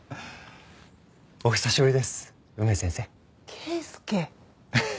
圭介。